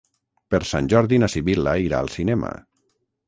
Per Sant Jordi na Sibil·la irà al cinema.